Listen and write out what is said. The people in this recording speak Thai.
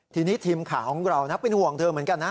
ทีนี้ทีมข่าวของเรานะเป็นห่วงเธอเหมือนกันนะ